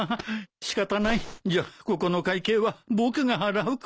仕方ないじゃあここの会計は僕が払うか。